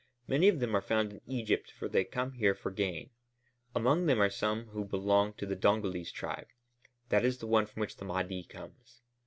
Many of them are found in Egypt for they come here for gain. Among them are some who belong to the Dongolese tribe; that is the one from which the Mahdi comes.